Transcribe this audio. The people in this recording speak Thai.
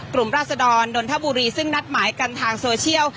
ราศดรนนทบุรีซึ่งนัดหมายกันทางโซเชียล